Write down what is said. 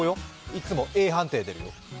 いっつもＡ判定出るよ。